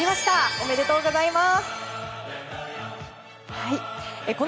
おめでとうございます。